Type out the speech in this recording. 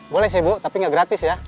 boleh sih bu tapi nggak gratis ya